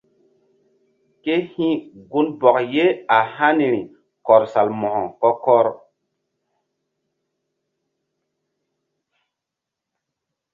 Ke hi̧ gunbɔk ye a haniri kɔr Salmo̧ko kɔ-kɔr.